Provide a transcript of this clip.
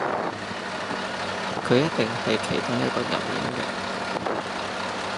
佢一定喺其中一個入面㗎